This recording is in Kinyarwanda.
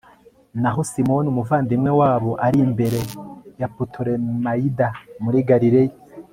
naho simoni umuvandimwe wabo ari imbere ya putolemayida muri galileya